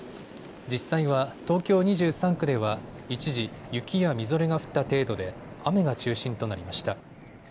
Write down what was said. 実際は東京２３区では一時、雪やみぞれが降った程度で雨が中心となりました。